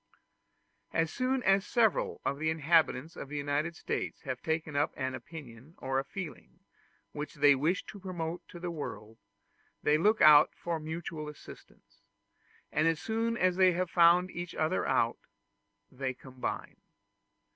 As soon as several of the inhabitants of the United States have taken up an opinion or a feeling which they wish to promote in the world, they look out for mutual assistance; and as soon as they have found each other out, they combine.